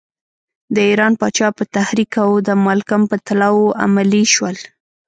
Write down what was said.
د ایران پاچا په تحریک او د مالکم په طلاوو عملی شول.